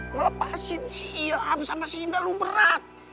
ngelepasin si ilham sama si indah lu berat